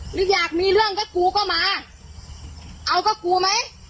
หรืออยากมีเรื่องก็กูก็มาเอาก็กูไหม